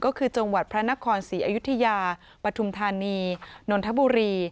ก็คือจังหวัดพระนครศรีอยุธยาปฐุมธานีนนทบุรี